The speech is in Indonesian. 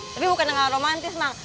tapi bukan dengan romantis nang